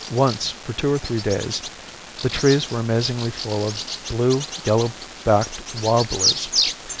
Once, for two or three days, the trees were amazingly full of blue yellow backed warblers.